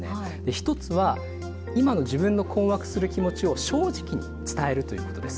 １つは今の自分の困惑する気持ちを正直に伝えるということです。